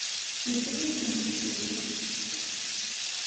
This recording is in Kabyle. Yewwi-yasent-tt-id.